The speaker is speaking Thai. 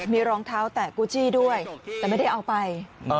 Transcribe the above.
มีรองเท้าแตะกู้ชีด้วยแต่ไม่ได้เอาไป